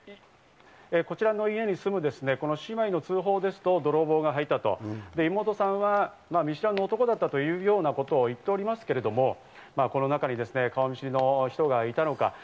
こちらの家に住む姉妹の通報ですと泥棒が入ったと、妹さんは見知らぬ男だったというようなことを言っておりますけれども、この中に顔見知りの人がいたのか。